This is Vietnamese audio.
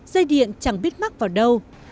dây điện chẳng biết mắc vào đâu